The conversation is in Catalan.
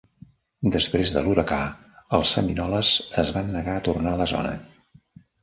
Després de l'huracà, els seminoles es van negar a tornar a la zona.